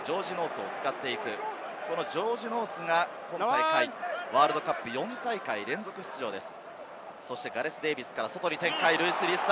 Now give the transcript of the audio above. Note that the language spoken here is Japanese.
ジョージ・ノースが今大会のワールドカップで４大会連続出場です。